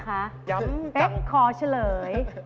ย้ำจังเป๊กขอเฉลย